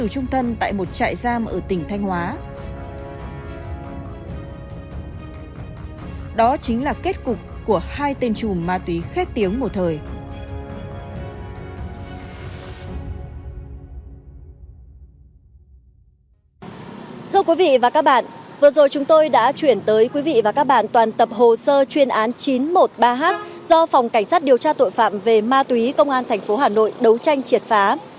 vừa rồi chúng tôi đã chuyển tới quý vị và các bạn toàn tập hồ sơ chuyên án chín trăm một mươi ba h do phòng cảnh sát điều tra tội phạm về ma túy công an tp hà nội đấu tranh triệt phá